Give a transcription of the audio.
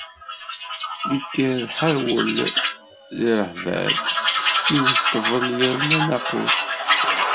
Yekker herwel di ṛṛeḥbat, yewwet ṭṭbel yerna nnaqus.